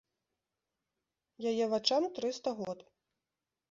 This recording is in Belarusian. Яе вачам трыста год.